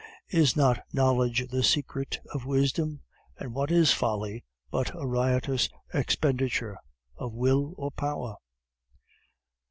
Is not knowledge the secret of wisdom? And what is folly but a riotous expenditure of Will or Power?"